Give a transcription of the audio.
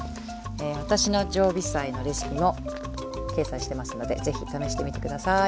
私の常備菜のレシピも掲載してますので是非試してみて下さい。